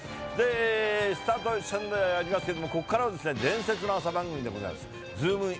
スタートでありますけれども、ここからは伝説の朝番組でございます、ズームイン！！